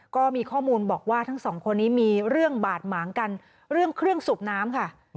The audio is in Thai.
ก็มีข้อมูลบอกว่าทั้งสองคนนี้มีเรื่องบาดหมางกันเรื่องเครื่องสูบน้ำค่ะ